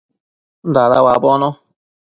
Dada uabono